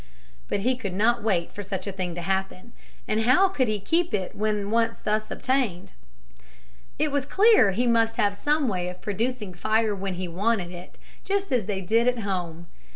But he could not wait for such a thing to happen, and how could he keep it when once thus obtained? It was clear he must have some way of producing fire when he wanted it, just as they did at home.